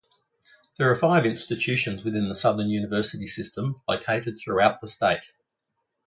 There are five institutions within the Southern University System located throughout the state.